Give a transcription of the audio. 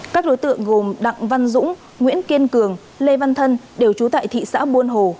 các đối tượng gồm đặng văn dũng nguyễn kiên cường lê văn thân đều trú tại thị xã buôn hồ